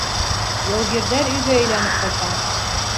Яугирҙәр өйгә әйләнеп ҡайта.